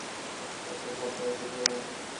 তা ছাড়া স্বপ্নকে তুচ্ছ করাও খুব মুশকিল।